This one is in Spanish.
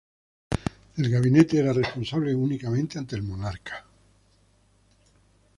El gabinete era responsable únicamente ante el monarca.